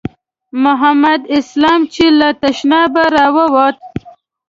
محمد اسلام چې له تشنابه راووت.